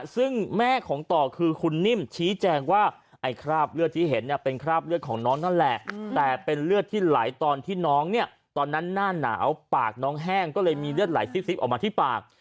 ซึ่งแม่ของต่อคือคุณนิ่มชี้แจงว่าไอ้คราบเลือดที่เห็นเนี่ยเป็นคราบเลือดของน้องนั่นแหละแต่เป็นเลือดที่ไหลตอนที่น้องเนี่ยตอนนั้นหน้าหนาวปากน้องแห้งก็เลยมีเลือดไหลซิบออกมาที่ปาก